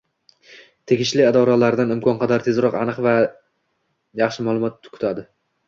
Tegishli idoralardan imkon qadar tezroq aniq va iy ma'lumot kutadi